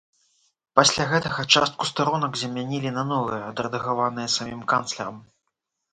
Пасля гэтага частку старонак замянілі на новыя, адрэдагаваныя самім канцлерам.